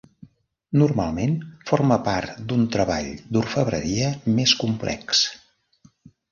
Normalment forma part d'un treball d'orfebreria més complex.